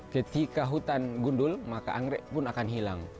ketika hutan gundul maka anggrek pun akan hilang